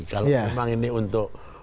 kalau memang ini untuk